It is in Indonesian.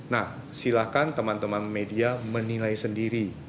nah silakan teman teman media menilai sendiri